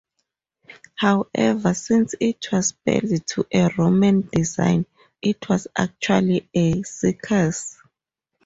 However, since it was built to a Roman design, it was actually a circus.